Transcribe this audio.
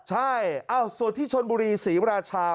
ใช่ส่วนที่ชนบุรีศรีราชา